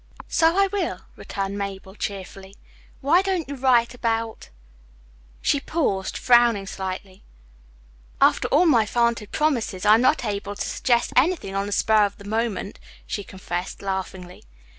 "So I will," returned Mabel cheerfully. "Why don't you write about " She paused, frowning slightly. "After all my vaunted promises I'm not able to suggest anything on the spur of the moment," she confessed laughingly.